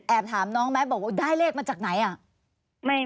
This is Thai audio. แอบถามน้องแม็กซ์บอกว่าได้เลขมาจากไหนอะ